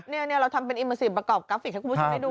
เนี่ยเนี่ยเราทำเป็นประกอบกราฟฟิกให้คุณผู้ชมได้ดูน่ะ